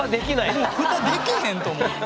フタできへんと思って。